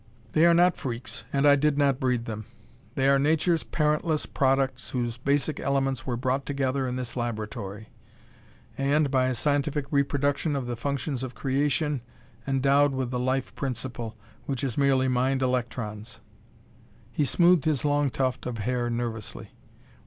"They are not freaks, and I did not breed them. They are nature's parentless products whose basic elements were brought together in this laboratory, and, by a scientific reproduction of the functions of creation, endowed with the life principle, which is merely mind electrons." He smoothed his long tuft of hair nervously.